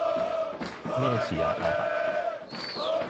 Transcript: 咩事啊，阿爸？